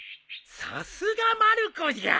さすがまる子じゃ。